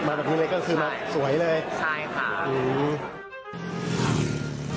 มาแบบนี้เลยก็คือมาสวยเลยอืมใช่ค่ะใช่ค่ะ